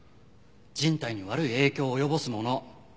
人体に悪い影響を及ぼすもの。